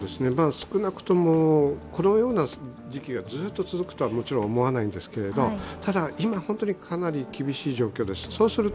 少なくともこのような時期がずっと続くとはもちろん思わないんですけれども、ただ、今本当にかなり厳しい状況です。